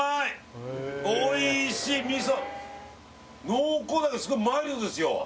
濃厚だけどスゴイマイルドですよ